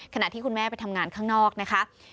ขณะที่คุณแม่ไปทำงานข้างนอกนะคะ